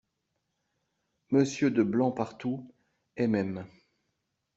Monsieur DE BLANCPARTOUT MM.